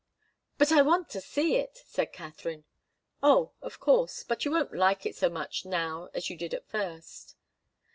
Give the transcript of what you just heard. "But I want to see it," said Katharine. "Oh, of course. But you won't like it so much now as you did at first."